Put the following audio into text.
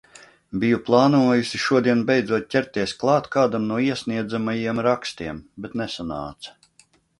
Biju plānojusi šodien beidzot ķerties klāt kādam no iesniedzamajiem rakstiem, bet nesanāca.